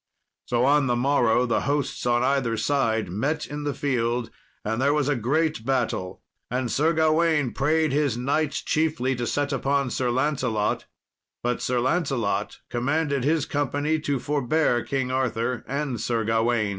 So on the morrow the hosts on either side met in the field, and there was a great battle. And Sir Gawain prayed his knights chiefly to set upon Sir Lancelot; but Sir Lancelot commanded his company to forbear King Arthur and Sir Gawain.